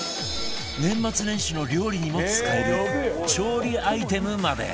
年末年始の料理にも使える調理アイテムまで